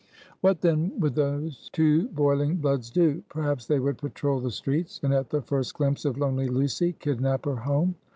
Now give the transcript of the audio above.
What then would those two boiling bloods do? Perhaps they would patrol the streets; and at the first glimpse of lonely Lucy, kidnap her home.